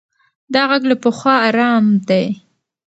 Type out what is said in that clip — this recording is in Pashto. دا غږ له پخوا ارام دی.